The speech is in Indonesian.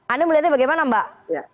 anda melihatnya bagaimana mbak